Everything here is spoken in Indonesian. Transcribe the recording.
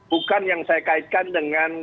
bukan yang saya kaitkan dengan